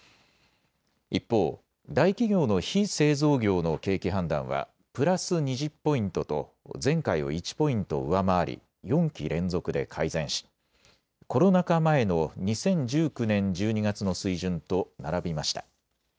一方、大企業の非製造業の景気判断はプラス２０ポイントと前回を１ポイント上回り４期連続で改善しコロナ禍前の２０１９年１２月の水準と並びました。